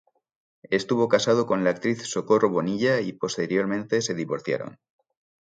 Estuvo casado con la actriz Socorro Bonilla y posteriormente se divorciaron.